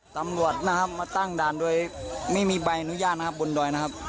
สำรวจมาตั้งด่านด้วยไม่มีใบอนุญาตประกาศบนดอยนะครับ